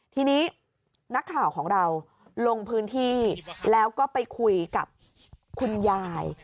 ทีนี้นักข่าวของเราลงพื้นที่แล้วก็ไปคุยกับคุณยาย